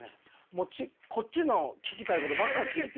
もうこっちの聞きたいことばっか聞いて。